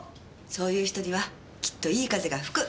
そういう人にはきっといい風が吹く。